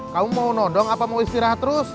kamu mau nodong apa mau istirahat terus